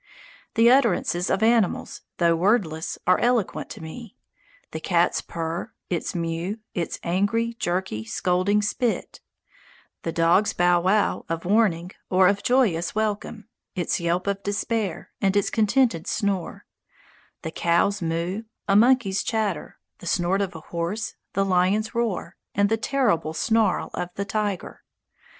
The utterances of animals, though wordless, are eloquent to me the cat's purr, its mew, its angry, jerky, scolding spit; the dog's bow wow of warning or of joyous welcome, its yelp of despair, and its contented snore; the cow's moo; a monkey's chatter; the snort of a horse; the lion's roar, and the terrible snarl of the tiger.